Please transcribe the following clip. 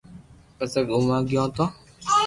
پسي گومئوا گيو تو